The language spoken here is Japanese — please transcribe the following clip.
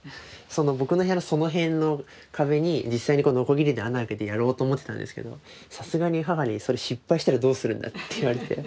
僕の部屋のその辺の壁に実際にノコギリで穴開けてやろうと思ってたんですけどさすがに母に「それ失敗したらどうするんだ」って言われて。